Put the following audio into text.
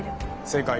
正解。